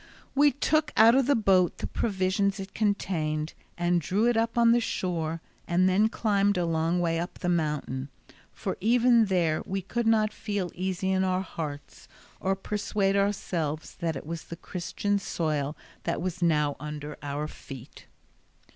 We took out of the boat the provisions it contained, and drew it up on the shore, and then climbed a long way up the mountain, for even there we could not feel easy in our hearts, or persuade ourselves that it was Christian soil that was now under our feet.